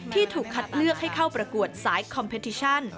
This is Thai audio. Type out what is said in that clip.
ถูกคัดเลือกให้เข้าประกวดสายคอมเพทิชัน